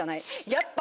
やっぱ。